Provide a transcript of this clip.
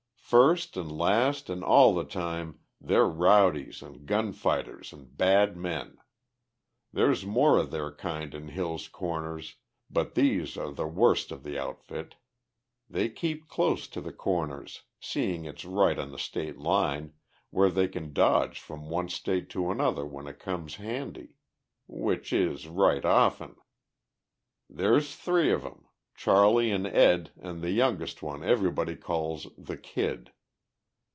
First an' last an' all the time they're rowdies an' gunfighters an' bad men. There's more of their kind in Hill's Corners, but these are the worst of the outfit. They keep close in to the Corners, seeing it's right on the state line, where they can dodge from one state to another when it comes handy. Which is right often. "There's three of 'em. Charley an' Ed an' the youngest one everybody calls the Kid.